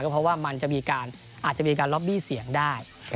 เพราะว่ามันจะมีการล็อบบี้เสียงได้